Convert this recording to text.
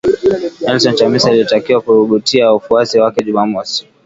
Nelson Chamisa, alitakiwa kuhutubia wafuasi wake Jumamosi